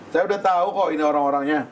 saya udah tahu kok ini orang orangnya